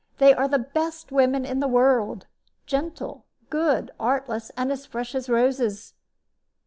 They are the best women in the world gentle, good, artless, and as fresh as roses."